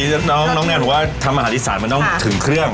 เมื่อกี้น้องแนนผมก็ทำอาหาริสัยแล้วก็ต้องถึงเครื่อง